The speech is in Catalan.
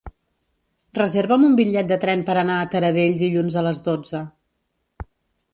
Reserva'm un bitllet de tren per anar a Taradell dilluns a les dotze.